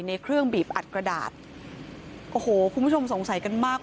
ในเครื่องบีบอัดกระดาษโอ้โหคุณผู้ชมสงสัยกันมาก